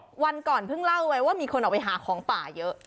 วันก่อนเพิ่งเล่าไว้ว่ามีคนออกไปหาของป่าเยอะ